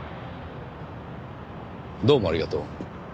どうもありがとう。